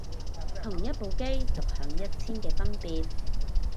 同一部機獨享一千嘅分別